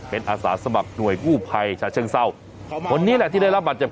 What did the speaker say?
เป็นอาสาสมัครหน่วยกู้ภัยชาเชิงเศร้าคนนี้แหละที่ได้รับบาดเจ็บ